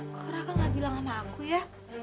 kok raka gak bilang sama aku ya